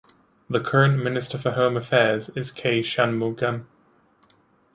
The current Minister for Home Affairs is K Shanmugam.